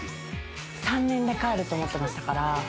３年で帰ると思ってましたから。